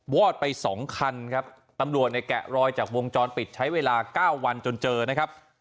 อดไปสองคันครับตำรวจเนี่ยแกะรอยจากวงจรปิดใช้เวลาเก้าวันจนเจอนะครับ